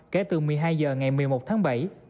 kể từ một mươi hai h ngày một mươi một tháng bảy